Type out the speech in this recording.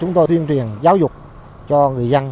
chúng tôi tuyên truyền giáo dục cho người dân